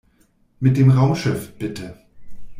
Mit dem Raumschiff, bitte!